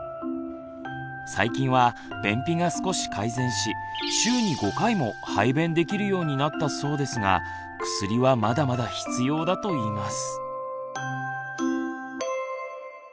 最近は便秘が少し改善し週に５回も排便できるようになったそうですが薬はまだまだ必要だといいます。